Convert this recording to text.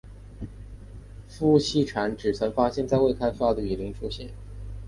孵溪蟾只曾发现在未开发的雨林出现。